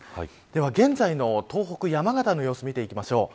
では、現在の東北山形の様子￥を見ていきます。